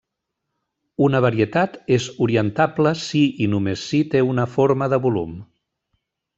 Una varietat és orientable si i només si té una forma de volum.